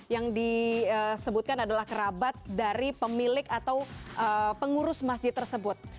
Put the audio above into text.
yang disebutkan adalah kerabat dari pemilik atau pengurus masjid tersebut